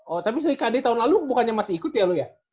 oh tapi sering kade tahun lalu bukannya masih ikut ya lu ya